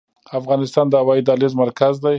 افغانستان د هوایي دهلیز مرکز دی؟